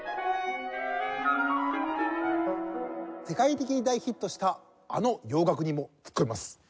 世界的に大ヒットしたあの洋楽にもツッコみます。